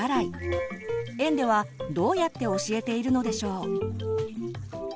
園ではどうやって教えているのでしょう？